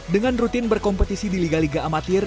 dengan rutin berkompetisi di liga liga amatir